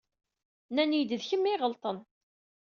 Nnan-iyi-d d kemm i iɣelṭen.